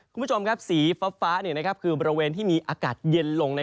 คุณผู้ชมครับสีฟ้าคือบริเวณที่มีอากาศเย็นลง